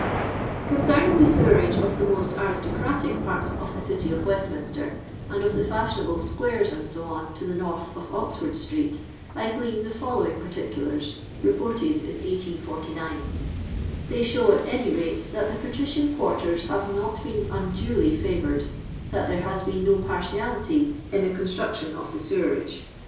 Concerning the sewerage of the most aris tociatic ports of the city of Westminster, and of the fiuhionable squares, &c., to the north of Ox ford street, I glean the following particulars (reported in 1849). They show, at any rate, that the patrician quarters have not been unduly &voured ; that there has been no partiality in the construction of the sewerase.